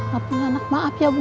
gak punya anak maaf ya bu